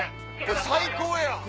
最高やん！